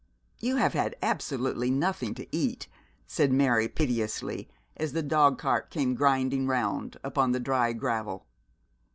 'You have had absolutely nothing to eat,' said Mary, piteously, as the dogcart came grinding round upon the dry gravel.